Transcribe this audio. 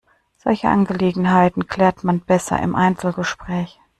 Solche Angelegenheiten klärt man besser im Einzelgespräch.